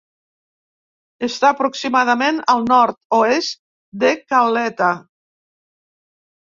Està aproximadament al Nord-oest de Calheta.